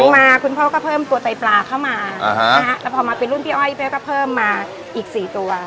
มาคุณพ่อก็เพิ่มตัวไตปลาเข้ามาแล้วพอมาเป็นรุ่นพี่อ้อยแม่ก็เพิ่มมาอีก๔ตัว